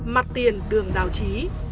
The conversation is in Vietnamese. mặt tiền đường đào chí